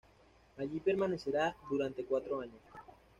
Allí permanecerá durante cuatro años.